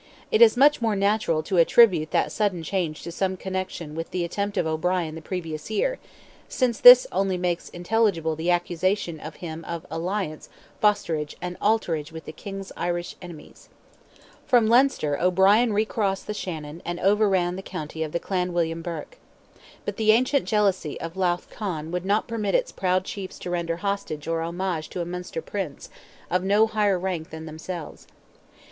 It is much more natural to attribute that sudden change to some connection with the attempt of O'Brien the previous year—since this only makes intelligible the accusation against him of "alliance, fosterage, and alterage with the King's Irish enemies." From Leinster O'Brien recrossed the Shannon, and overran the country of the Clan William Burke. But the ancient jealousy of Leath Conn would not permit its proud chiefs to render hostage or homage to a Munster Prince, of no higher rank than themselves.